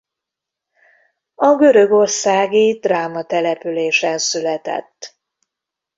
A görögországi Drama településen született.